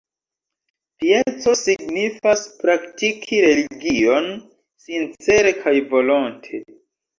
Pieco signifas praktiki religion sincere kaj volonte.